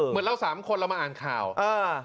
เหมือนเราสามคนเรามาอ่านข่าวเออ